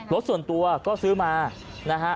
รถส่วนตัวก็ซื้อมานะฮะ